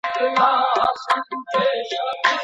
ایا لوی صادروونکي جلغوزي صادروي؟